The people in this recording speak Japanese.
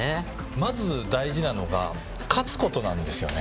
まず大事なのが勝つことなんですよね。